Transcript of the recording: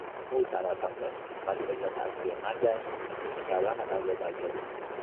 او سرطان داشت ولی علت اصلی مرگش، گیر کردن غذا در گلو بود.